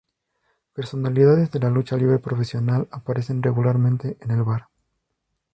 Personalidades de la lucha libre profesional aparecen regularmente en el bar.